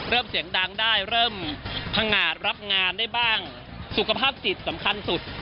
เสียงดังได้เริ่มพังงาดรับงานได้บ้างสุขภาพจิตสำคัญสุด